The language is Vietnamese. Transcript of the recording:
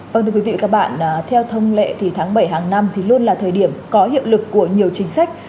vâng thưa quý vị và các bạn theo thông lệ thì tháng bảy hàng năm thì luôn là thời điểm có hiệu lực của nhiều chính sách